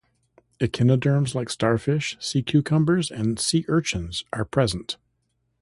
Echinoderms like starfish, sea cucumbers and sea urchins are present.